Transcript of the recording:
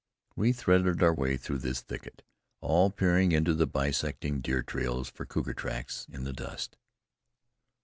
We threaded our way through this thicket, all peering into the bisecting deer trails for cougar tracks in the dust.